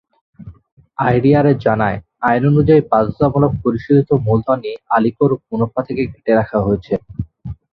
IDRA জানায়, আইনানুযায়ী বাধ্যতামূলক পরিশোধিত মূলধনই আলিকোর মুনাফা থেকে কেটে রাখা হয়েছে।